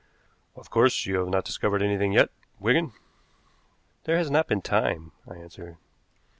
"Of course you have not discovered anything yet, Wigan?" "There has not been time," I answered.